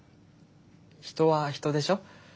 人は人でしょ？